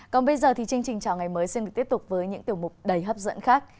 còn bây giờ thì chương trình chào ngày mới xin được tiếp tục với những tiểu mục đầy hấp dẫn khác